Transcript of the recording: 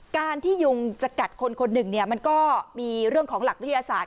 การที่ยุงจะกัดคนคนหนึ่งเนี่ยมันก็มีเรื่องของหลักวิทยาศาสตร์